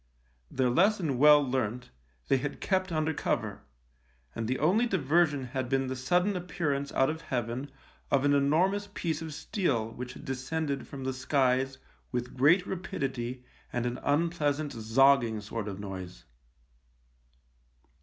Their lesson well learnt, they had kept under cover, and the only diversion had been the sudden appearance out of heaven of an enormous piece of steel which had descended from the skies with great rapidity and an unpleasant zogging sort of noise.